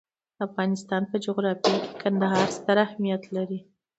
د افغانستان په جغرافیه کې کندهار ستر اهمیت لري.